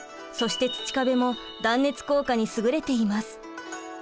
そして土壁も断熱効果にすぐれています。